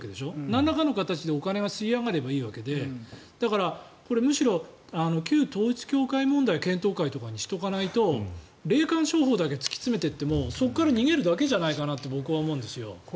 なんらかの形でお金が吸い上がればいいわけでだから、むしろ旧統一教会問題検討会とかにしておかないと霊感商法だけ突き詰めていってもそこから逃げるだけじゃないかなと僕は思うんですよ。